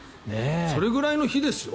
それぐらいの日ですよ。